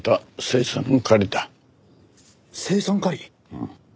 うん。